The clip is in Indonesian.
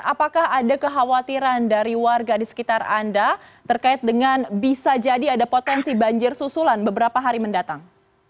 apakah ada kekhawatiran dari warga di sekitar anda terkait dengan bisa jadi ada potensi banjir susulan beberapa hari mendatang